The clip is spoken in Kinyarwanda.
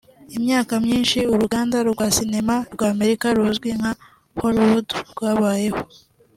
Imyaka myinshi uruganda rwa sinema rwa Amerika ruzwi nka Hollywood rwabayeho